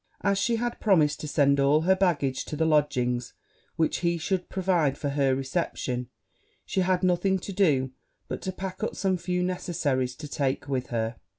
As he had promised to send all her baggage to the lodgings which he should provide for her return, she had nothing to do but to pack up some few necessaries to take with her.